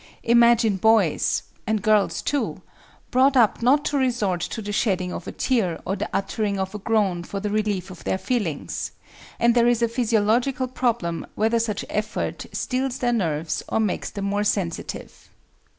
Imagine boys—and girls too—brought up not to resort to the shedding of a tear or the uttering of a groan for the relief of their feelings,—and there is a physiological problem whether such effort steels their nerves or makes them more sensitive.